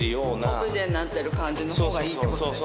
オブジェになってる感じのほうがいいってことだよね